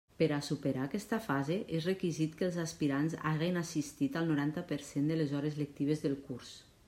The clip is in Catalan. Per a superar aquesta fase és requisit que els aspirants hagen assistit al noranta per cent de les hores lectives del curs.